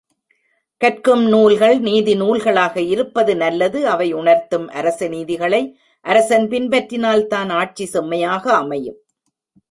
கற்கும் நூல்கள் நீதிநூல்களாக இருப்பது நல்லது அவை உணர்த்தும் அரசநீதிகளை அரசன் பின்பற்றினால்தான் ஆட்சி செம்மையாக அமையும்.